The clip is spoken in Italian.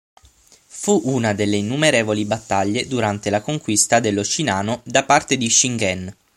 Fu una delle innumerevoli battaglie durante la conquista dello Shinano da parte di Shingen.